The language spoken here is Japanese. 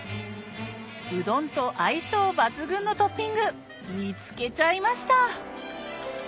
うどんと相性抜群のトッピング見つけちゃいました